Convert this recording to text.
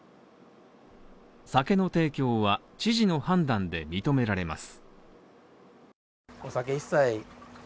酒の提供は、知事の判断で認められます。